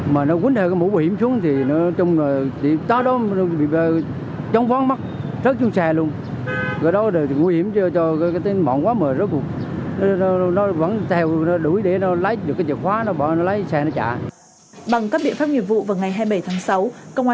bằng các biện pháp nghiệp vụ vào ngày hai mươi bảy tháng sáu công an huyện sơn hà đã bắt sự cướp